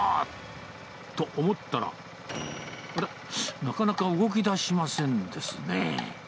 と、思ったら、あら、なかなか動きだしませんですね。